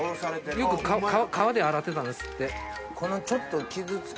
よく川で洗ってたんですって。